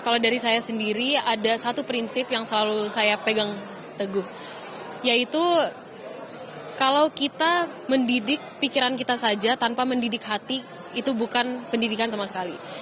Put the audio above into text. kalau dari saya sendiri ada satu prinsip yang selalu saya pegang teguh yaitu kalau kita mendidik pikiran kita saja tanpa mendidik hati itu bukan pendidikan sama sekali